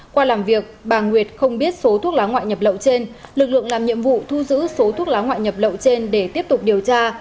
qua làm việc bà nguyệt không biết số thuốc lá ngoại nhập lậu trên lực lượng làm nhiệm vụ thu giữ số thuốc lá ngoại nhập lậu trên để tiếp tục điều tra